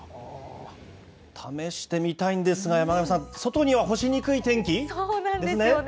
試してみたいんですが、山神さん、外には干しにくい天気？ですね？